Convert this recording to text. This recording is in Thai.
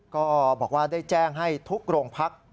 ก็บอกว่าได้แจ้งให้ทุกโรงพัก